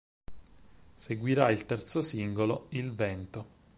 Seguirà il terzo singolo "Il vento.